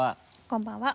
こんばんは。